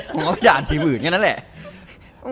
ผมก็ไม่ด่าที่อื่นอย่างนั้นแหละ